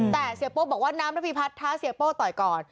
แต่เสียโป้บอกว่าน้ำระพีพัฒน์ท้าเสียโป้ต่อยก่อน